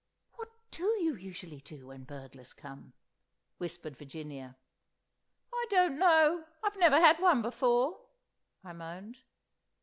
"What do you usually do when burglars come?" whispered Virginia. "I don't know. I've never had one before," I moaned.